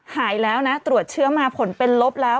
หายแล้วนะตรวจเชื้อมาผลเป็นลบแล้ว